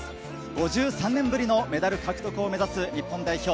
５３年ぶりのメダル獲得を目指す日本代表。